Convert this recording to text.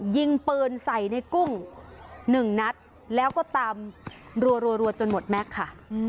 ยิงปืนใส่ในกุ้ง๑นัดแล้วก็ตามรัวจนหมดแม็กซ์ค่ะ